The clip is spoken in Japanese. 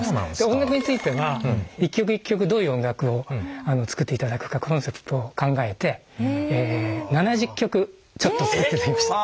音楽については一曲一曲どういう音楽を作っていただくかコンセプトを考えて７０曲ちょっと使っていただきました。